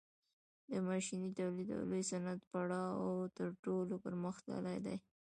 د ماشیني تولید او لوی صنعت پړاو تر ټولو پرمختللی دی